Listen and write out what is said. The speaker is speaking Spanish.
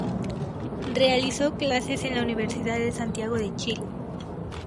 Realizó clases en la Universidad de Santiago de Chile.